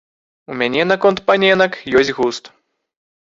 У мяне наконт паненак ёсць густ.